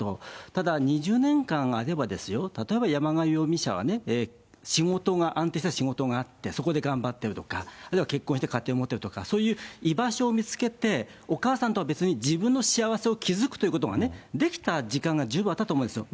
ただ２０年間あれば、例えば山上容疑者は、仕事が、安定した仕事があって、そこで頑張ってるとか、あるいは結婚して家庭を持ってるとか、そういう居場所を見つけて、お母さんとは別に自分の幸せを築くということができた時間が十分あったと思うんですよ。